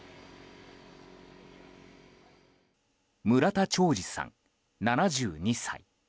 村田兆治さん、７２歳。